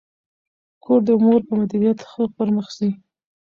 کور د مور په مدیریت ښه پرمخ ځي.